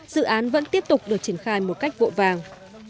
dự án vẫn tiếp tục được triển khai một cách vội vàng